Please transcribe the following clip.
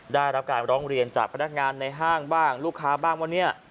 ได้รับการร้องเรียนจากพนักงานในห้างบ้างลูกค้าบ้างว่าเนี่ย